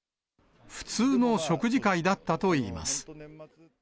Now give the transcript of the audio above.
普通の食事会だったといいます。